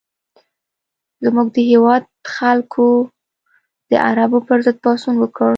زموږ د هېواد خلکو د عربو پر ضد پاڅون وکړ.